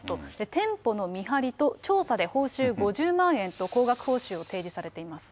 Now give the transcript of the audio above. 店舗の見張りと調査で報酬５０万円と、高額報酬を提示されています。